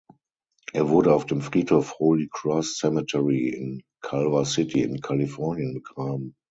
Er wurde auf dem Friedhof Holy Cross Cemetery in Culver City in Kalifornien begraben.